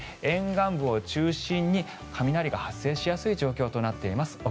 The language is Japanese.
沿岸部を中心に雷が発生しやすい状況となっています